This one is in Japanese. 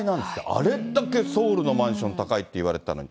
あれだけソウルのマンション高いっていわれてたのに。